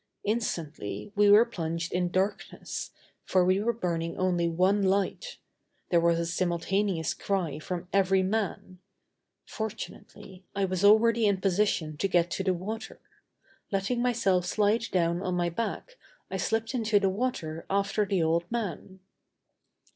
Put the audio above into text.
Instantly we were plunged in darkness, for we were burning only one light, there was a simultaneous cry from every man. Fortunately, I was already in position to get to the water. Letting myself slide down on my back, I slipped into the water after the old man.